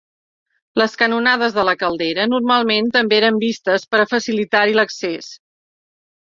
Les "canonades" de la caldera normalment també eren vistes, per a facilitar-hi l'accés.